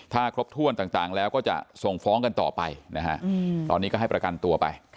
ถ้าครบถ้วนต่างแล้วก็จะส่งฟ้องกันต่อไปนะฮะตอนนี้ก็ให้ประกันตัวไป